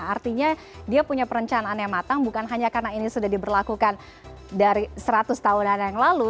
artinya dia punya perencanaan yang matang bukan hanya karena ini sudah diberlakukan dari seratus tahunan yang lalu